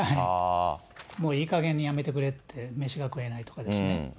もういいかげんにやめてくれって、めしがくえないとかですね